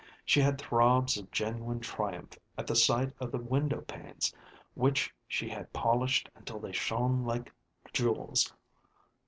She had throbs of genuine triumph at the sight of the windowpanes which she had polished until they shone like jewels.